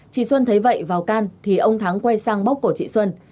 chị xuân thấy vậy vào can thì ông thắng quay sang bóc cổ chị xuân